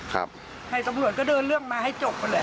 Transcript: ให้ตำรวจก็เดินเรื่องมาให้จบนั่นแหละ